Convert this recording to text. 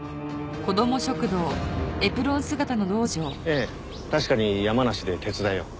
ええ確かに山梨で手伝いを。